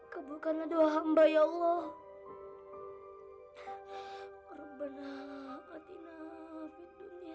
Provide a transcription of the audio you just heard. sembukalah doa hamba ya allah